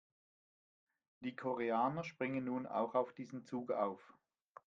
Die Koreaner springen nun auch auf diesen Zug auf.